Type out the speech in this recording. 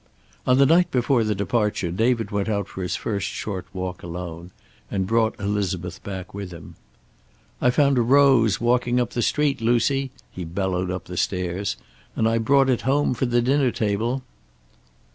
On the night before the departure David went out for his first short walk alone, and brought Elizabeth back with him. "I found a rose walking up the street, Lucy," he bellowed up the stairs, "and I brought it home for the dinner table."